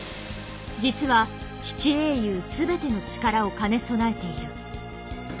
実は七英雄全ての力を兼ね備えている。